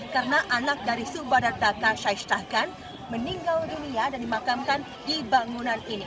karena anak dari subhadra dhaka syahistakyan meninggal dunia dan dimakamkan di bangunan ini